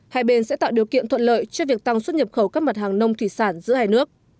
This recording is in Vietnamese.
hai bên sẽ tạo điều kiện thuận lợi cho việc tăng xuất nhập khẩu các mặt hàng nông thủy sản giữa hai nước